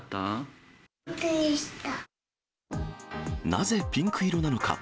なぜ、ピンク色なのか。